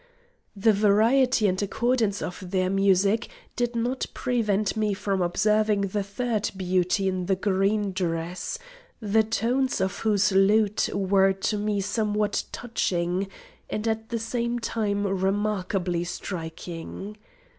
The variety and accordance of their music did not prevent me from observing the third beauty in the green dress, the tones of whose lute were to me somewhat touching, and at the same time remarkably striking.